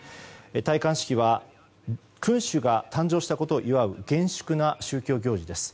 戴冠式は君主が誕生したことを祝う厳粛な宗教行事です。